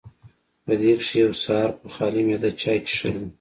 پۀ دې کښې يو سحر پۀ خالي معده چائے څښل دي